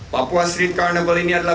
papua street carnable ini adalah